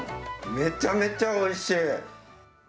めちゃめちゃおいしい。